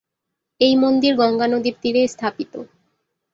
এই মন্দির গঙ্গা নদীর তীরে স্থাপিত।